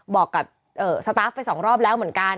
บอกกับสตาฟไปสองรอบแล้วเหมือนกัน